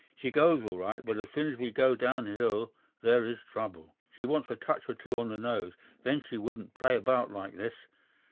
She goes all right, but as soon as we go down hill there is trouble! She wants a touch or two on the nose, then she wouldn't play about like this...